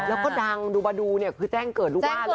แล้วก็ดังดูมาดูเนี่ยคือแจ้งเกิดลูกบ้านเลย